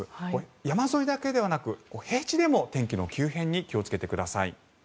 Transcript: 山沿いだけではなく平地でも天気の急変に気をつけてください。